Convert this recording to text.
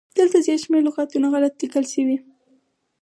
دلته زيات شمېر لغاتونه غلت ليکل شوي